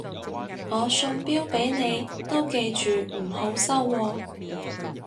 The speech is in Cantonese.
我送錶俾你都記住唔好收喎